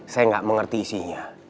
saya gak mengerti isinya